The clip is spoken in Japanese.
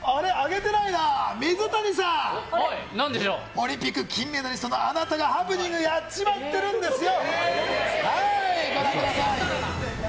オリンピック金メダリストのあなたがハプニングやっちまってるんですよ。